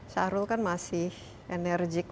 syahrul kan masih enerjik